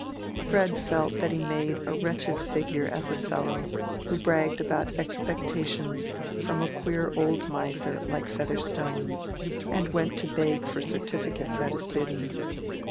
Fred felt that he made a wretched figure as a fellow who bragged about expectations from a queer old miser like Featherstone, and went to beg for certificates at his bidding.